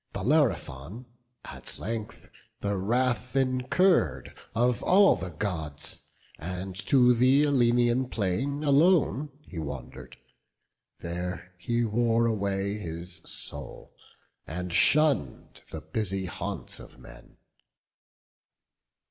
Bellerophon at length the wrath incurr'd Of all the Gods; and to th' Aleian plain Alone he wander'd; there he wore away His soul, and shunn'd the busy haunts of men.